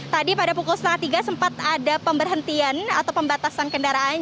tadi pada pukul setengah tiga sempat ada pemberhentian atau pembatasan kendaraan